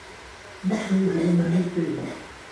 นกมีหูหนูมีปีก